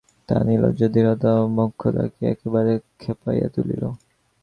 তাহার নির্লজ্জ ধীরতা মোক্ষদাকে একেবারে খেপাইয়া তুলিল।